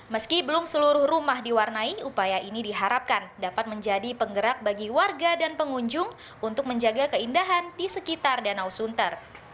meski belum seluruh rumah diwarnai upaya ini diharapkan dapat menjadi penggerak bagi warga dan pengunjung untuk menjaga keindahan di sekitar danau sunter